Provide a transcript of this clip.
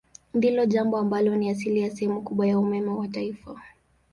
Ndilo lambo ambalo ni asili ya sehemu kubwa ya umeme wa taifa.